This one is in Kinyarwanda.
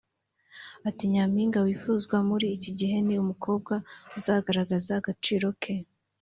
Ati "Nyampinga wifuzwa muri iki gihe ni umukobwa uzagaragaza agaciro ke